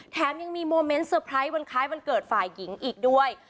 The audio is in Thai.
แถมยังมีโมเมนต์เตอร์ไพรส์วันคล้ายวันเกิดฝ่ายหญิงอีกด้วย